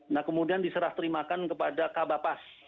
nah kemudian diserah terimakan kepada kabapas